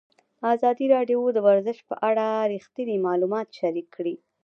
ازادي راډیو د ورزش په اړه رښتیني معلومات شریک کړي.